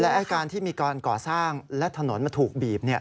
และการที่มีการก่อสร้างและถนนมันถูกบีบ